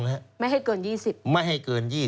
ไม่ให้เกิน๒๐ไม่ให้เกิน๒๐